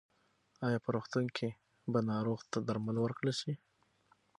ایا په روغتون کې به ناروغ ته درمل ورکړل شي؟